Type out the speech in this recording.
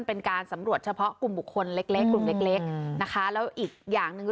เป็นการสำรวจเฉพาะกลุ่มบุคคลเล็กเล็กกลุ่มเล็กนะคะแล้วอีกอย่างหนึ่ง